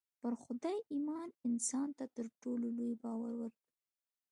پر خدای ايمان انسان ته تر ټولو لوی باور ورکوي.